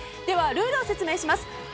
ルールを説明します。